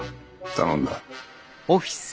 頼んだ。